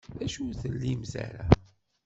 D acu ur tlimt ara?